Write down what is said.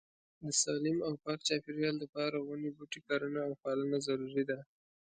د سالیم او پاک چاپيريال د پاره وني بوټي کرنه او پالنه ضروري ده